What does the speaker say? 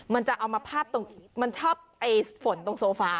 มันจะเอามาพาดตรงมันชอบไอ้ฝนตรงโซฟา